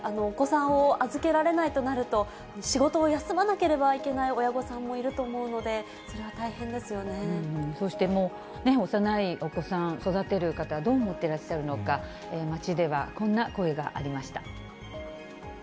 お子さんを預けられないとなると、仕事を休まなければいけない親御さんもいると思うので、それは大そして幼いお子さん育てる方、どう思ってらっしゃるのか、街ではこんな声がありました。